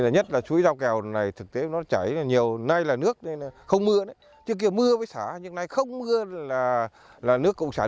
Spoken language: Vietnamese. nhất là suối giao kèo này thực tế nó chảy nhiều nay là nước không mưa trước kia mưa với xả nhưng nay không mưa là nước cộng sản